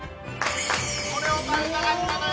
・これを食べたかったのよ。